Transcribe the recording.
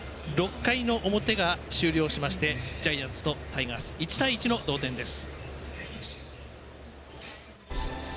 ６回の表が終了しましてジャイアンツとタイガース１対１の同点です。